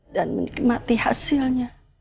dan menikmati hasilnya